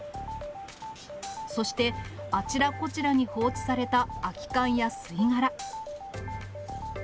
そして、あちらこちらに放置された空き缶や吸い殻。